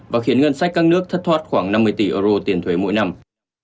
và khiến ngân sách các nước thất thoát khoảng năm mươi tỷ euro tiền thuế mỗi năm